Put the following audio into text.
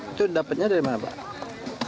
itu dapatnya dari mana pak